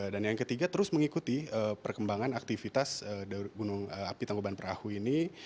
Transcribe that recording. dan yang ketiga terus mengikuti perkembangan aktivitas gunung api tangkuban parahu ini